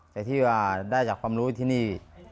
แต่ที่ว่าได้จากความรู้ที่นี่